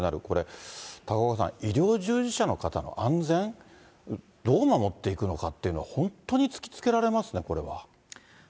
これ、高岡さん、医療従事者の方の安全、どう守っていくのかっていうのは本当に突きつけられますね、これは。